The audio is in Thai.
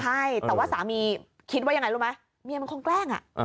ใช่แต่ว่าสามีคิดว่ายังไงรู้ไหมเมียมันคงแกล้ง